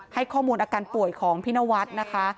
ให้ข้อมูลอาการป่วยของพี่นวัดนะคะ